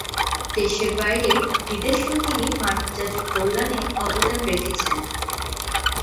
দেশের বাইরে বিদেশেও তিনি মানবজাতির কল্যাণে অবদান রেখেছেন।